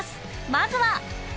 まずは